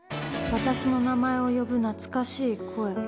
私の名前を呼ぶ懐かしい声。